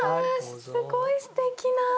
すごいすてきな。